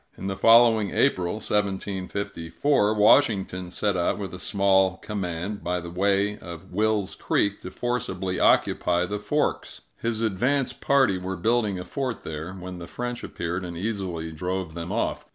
In the following April (1754), Washington set out with a small command, by the way of Will's Creek, to forcibly occupy the Forks. His advance party were building a fort there, when the French appeared and easily drove them off.